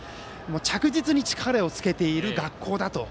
着実に力をつけている学校だと。